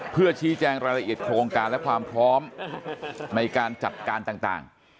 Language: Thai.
เพื่อชี้แจงรายละเอียดโครงการและความพร้อมในการจัดการต่าง